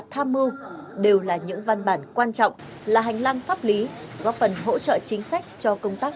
tham mưu đều là những văn bản quan trọng là hành lang pháp lý góp phần hỗ trợ chính sách cho công tác